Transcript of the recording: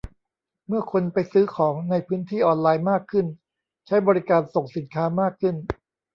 เมื่อคนไปซื้อของในพื้นที่ออนไลน์มากขึ้น ใช้บริการส่งสินค้ามากขึ้น